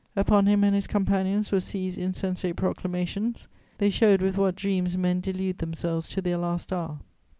Upon him and his companions were seized insensate proclamations: they showed with what dreams men delude themselves to their last hour.